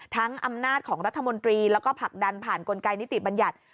อำนาจของรัฐมนตรีแล้วก็ผลักดันผ่านกลไกนิติบัญญัติ